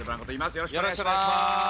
よろしくお願いします。